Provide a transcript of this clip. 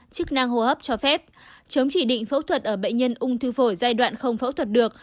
chức năng hô hấp cho phép chống chỉ định phẫu thuật ở bệnh nhân ung thư phổi giai đoạn không phẫu thuật được